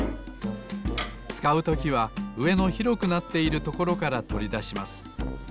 つかうときはうえの広くなっているところからとりだします。